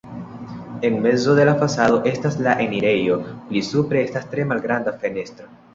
En mezo de la fasado estas la enirejo, pli supre estas tre malgranda fenestro.